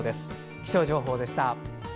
気象情報でした。